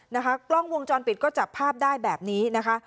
นะคะกล้องวงจรปิดก็จับภาพได้แบบนี้นะคะ